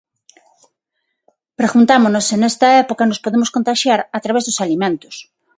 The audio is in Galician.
Preguntámonos se nesta época nos podemos contaxiar a través dos alimentos.